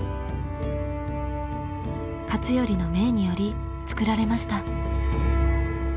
勝頼の命により作られました。